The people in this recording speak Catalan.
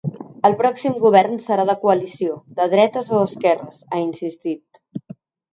El pròxim govern serà de coalició, de dretes o esquerres, ha insistit.